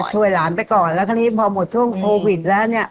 ช่วยหลานไปก่อนแล้วคราวนี้พอหมดช่วงโควิดแล้วเนี่ย